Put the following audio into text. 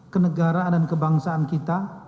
kenegaraan dan kebangsaan kita